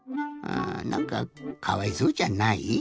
あぁなんかかわいそうじゃない？